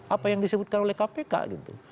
apa yang disebutkan oleh kpk gitu